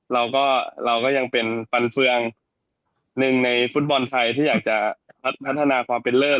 เราก็ยังเป็นฟันเฟืองหนึ่งในฟุตบอลไทยที่อยากจะพัฒนาความเป็นเลิศ